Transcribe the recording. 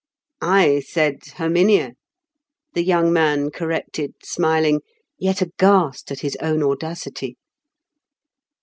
"I said 'Herminia,'" the young man corrected, smiling, yet aghast at his own audacity.